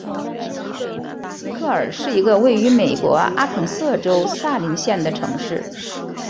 哈斯克尔是一个位于美国阿肯色州萨林县的城市。